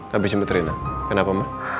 habis sempat rena kenapa ma